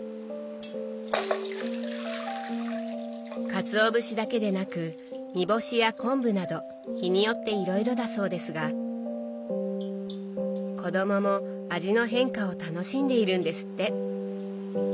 かつお節だけでなく煮干しや昆布など日によっていろいろだそうですが子どもも味の変化を楽しんでいるんですって。